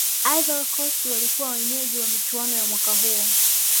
ivory coast walikuwa wenyeji wa michuano ya mwaka huo